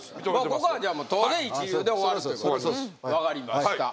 ここはじゃあもう当然一流で終わるということでわかりました